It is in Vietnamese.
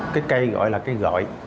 cái cây gọi là cây gọi